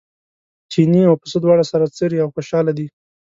چیني او پسه دواړه سره څري او خوشاله دي.